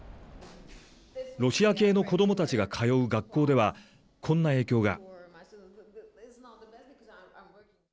ロシア系の子どもたちが通う学校では、こんな影響が。